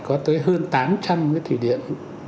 có tới hơn tám trăm linh cái thủy điện